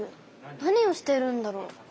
何をしているんだろう？